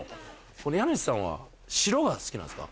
家主さんは白が好きなんですか？